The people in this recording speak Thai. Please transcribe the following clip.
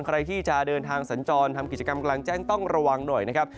ใครที่จะเดินทางสัญจรทำกิจกรรมกลางแจ้งต้องระวังหน่อยนะครับ